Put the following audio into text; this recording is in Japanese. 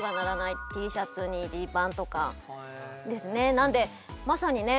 なんでまさにね